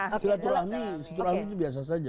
silaturahmi itu biasa saja